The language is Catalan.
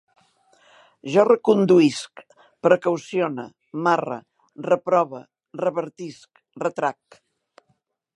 Jo reconduïsc, precaucione, marre, reprove, revertisc, retrac